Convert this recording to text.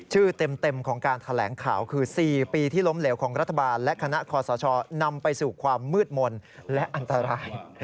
เต็มของการแถลงข่าวคือ๔ปีที่ล้มเหลวของรัฐบาลและคณะคอสชนำไปสู่ความมืดมนต์และอันตราย